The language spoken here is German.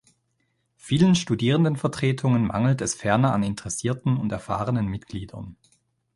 Vielen Studierendenvertretungen mangelt es ferner an interessierten und erfahrenen Mitgliedern.